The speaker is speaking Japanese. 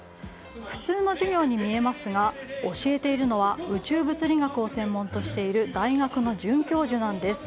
普通の授業に見えますが教えているのは宇宙物理学を専門としている大学の准教授なんです。